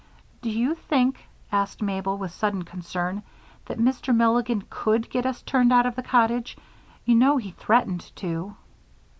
"Do you think," asked Mabel, with sudden concern, "that Mr. Milligan could get us turned out of the cottage? You know he threatened to."